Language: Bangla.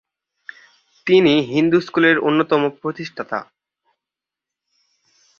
তিনি হিন্দু স্কুলের অন্যতম প্রতিষ্ঠাতা।